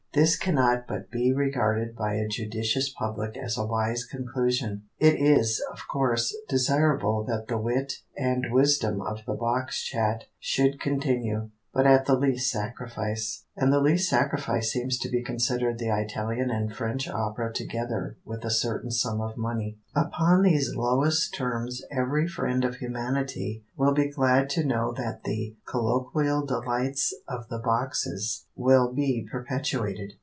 This cannot but be regarded by a judicious public as a wise conclusion. It is, of course, desirable that the wit and wisdom of the box chat should continue, but at the least sacrifice; and the least sacrifice seems to be considered the Italian and French opera together with a certain sum of money. Upon these lowest terms every friend of humanity will be glad to know that the colloquial delights of the boxes will be perpetuated.